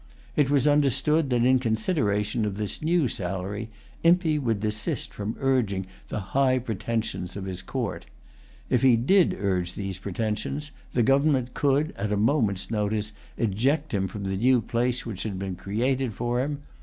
It was understood that, in consideration of this new salary, Impey would desist from urging the high pretensions of[Pg 173] his court. If he did urge these pretensions, the government could, at a moment's notice, eject him from the new place which had been created for him.